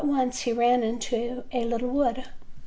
175 once he ran into a little wood.